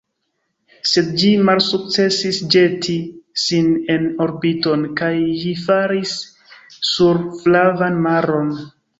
Sed ĝi malsukcesis ĵeti sin en orbiton, kaj ĝi falis sur Flavan Maron.